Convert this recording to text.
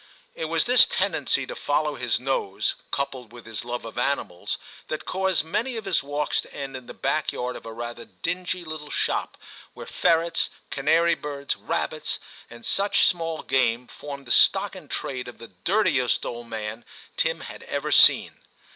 It was this tendency to follow his nose, coupled with his love of animals, that caused many of his walks to end in the back yard of r TIM loi a rather dingy little shop where ferrets, canary birds, rabbits, and such small game, formed the stock in trade of the dirtiest old man Tim had ever seen.